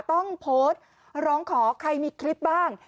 ต้องโพสต์ร้องขอใครมีคลิปบ้าง